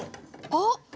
あっ！